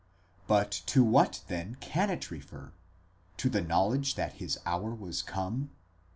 But to what then can it refer? to the knowledge that his hour was come?